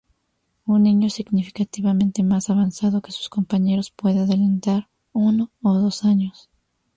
Un niño significativamente más avanzado que sus compañeros puede adelantar uno o dos años.